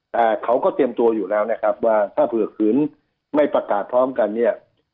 แต่เขาก็เตรียมตัวอยู่แล้วนะครับว่าถ้าเผื่อขืนไม่ประกาศพร้อมกันเนี่ย